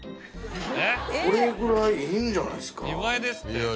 これぐらいいいんじゃないですか？